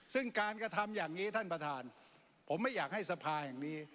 ซึ่งการกระทำอย่างนี้ท่านประธานผมไม่อยากให้สภาแห่งนี้